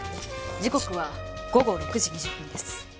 時刻は午後６時２０分です。